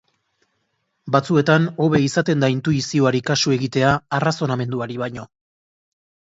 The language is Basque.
Batzuetan hobe izaten da intuizioari kasu egitea, arrazonamenduari baino.